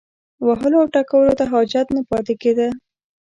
وهلو او ټکولو ته حاجت نه پاتې کېده.